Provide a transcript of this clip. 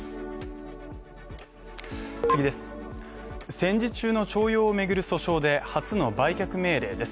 戦時中の徴用をめぐる訴訟で初の売却命令です